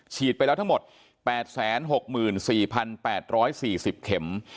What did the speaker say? ไปแล้วทั้งหมด๘๖๔๘๔๐เข็ม